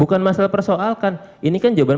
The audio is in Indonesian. bukan masalah persoalkan ini kan jawaban